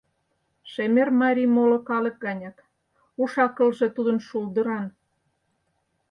Шемер марий моло калык ганяк, уш-акылже тудын шулдыран.